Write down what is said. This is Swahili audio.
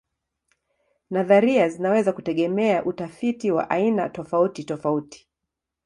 Nadharia zinaweza kutegemea utafiti wa aina tofautitofauti.